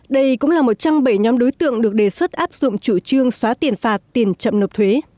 đây cũng là một trong bảy nhóm đối tượng được đề xuất áp dụng chủ trương xóa tiền phạt tiền chậm nộp thuế